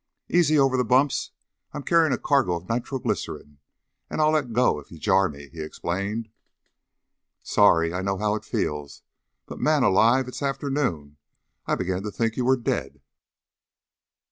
"Easy over the bumps! I'm carryin' a cargo of nitroglycerine, and I'll let go if you jar me," he explained. "Sorry! I know how it feels. But, man alive, it's afternoon! I began to think you were dead."